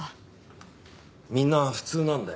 みんな普通なんだよ。